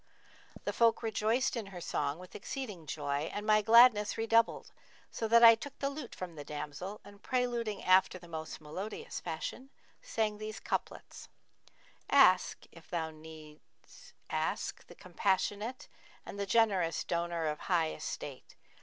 The folk rejoiced in her song with exceeding joy and my gladness redoubled, so that I took the lute from the damsel and preluding after the most melodious fashion, sang these couplets, 'Ask (if needs thou ask) the Compassionate, * And the generous donor of high estate.